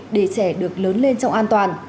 để trẻ được lớn lên trong an toàn